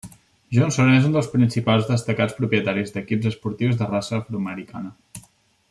Johnson és un dels principals destacats propietaris d'equips esportius de raça afro-americana.